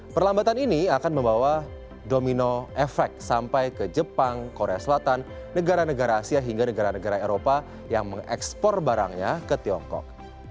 perlambatan ini akan membawa domino efek sampai ke jepang korea selatan negara negara asia hingga negara negara eropa yang mengekspor barangnya ke tiongkok